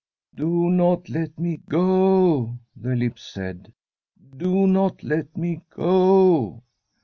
' Do not let me go,' the lips said ;* do not let me go.